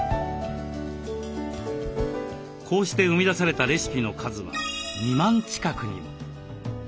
こうして生み出されたレシピの数は２万近くにも。